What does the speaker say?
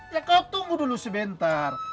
ya kau tunggu dulu sebentar